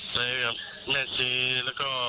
ไปกับแม่ชีแล้วก็